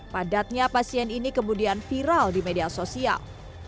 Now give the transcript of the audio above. padatnya pasien ini kemudian viral di media sosial